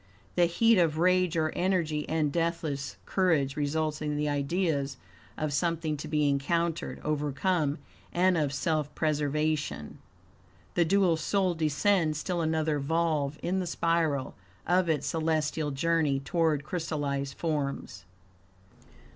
The heat of rage or energy and deathless courage results in the IDEAS of something to be encountered, overcome, and of self preservation. The dual soul descends still another volve in the spiral of its celestial journey toward crystallized forms.